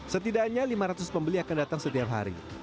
setidaknya lima ratus pembeli akan datang setiap hari